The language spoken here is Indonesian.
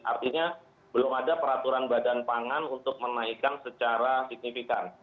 artinya belum ada peraturan badan pangan untuk menaikkan secara signifikan